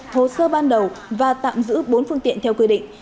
hồ sơ ban đầu và tạm giữ bốn phương tiện theo quy định